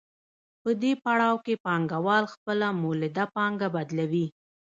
په دې پړاو کې پانګوال خپله مولده پانګه بدلوي